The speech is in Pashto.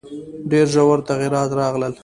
ډېر ژور تغییرات راغلل.